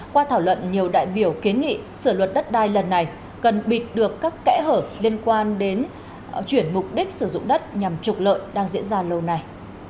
qua thảo luận nhiều đại biểu kiến nghị sửa luật đất đai lần này cần bịt được các kẽ hở liên quan đến chuyển mục đích sử dụng đất nhằm trục lợi đang diễn ra lâu nay